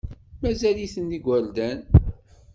Mazal-iten d igerdan.